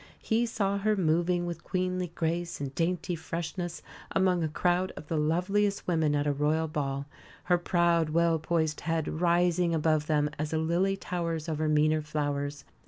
He saw her moving with queenly grace and dainty freshness among a crowd of the loveliest women at a Royal ball, her proud well poised head rising above them as a lily towers over meaner flowers.